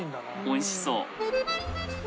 おいしそう。